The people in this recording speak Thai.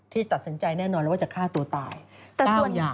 ที่ตัดสินใจแน่นอนแล้วว่าจะฆ่าตัวตาย๙อย่าง